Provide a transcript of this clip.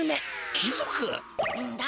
貴族？んだ。